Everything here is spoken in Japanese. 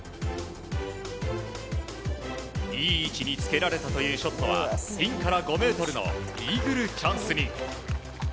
いい位置につけられたというショットはピンから５ｍのイーグルチャンスに。